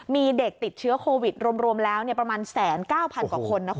มีเด็กติดเชื้อโควิดรวมแล้วประมาณ๑๙๐๐กว่าคนนะคุณ